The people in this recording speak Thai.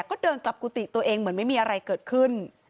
ก็เดินกลับกุฏิตัวเองเหมือนไม่มีอะไรเกิดขึ้น